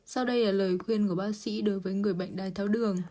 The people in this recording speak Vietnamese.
sau đây là lời khuyên của bác sĩ đối với người bệnh đai tháo đường